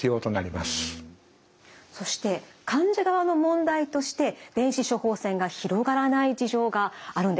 そして患者側の問題として電子処方箋が広がらない事情があるんです。